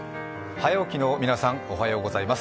早起きの皆さん、おはようございます。